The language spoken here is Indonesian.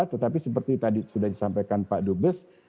tetapi seperti tadi sudah disampaikan pak dubes